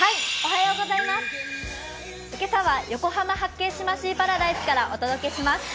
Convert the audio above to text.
今朝は横浜・八景島シーパラダイスからお届けします。